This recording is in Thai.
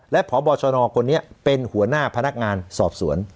และพบชนคนนี้เป็นหัวหน้าพนักงานสอบสวน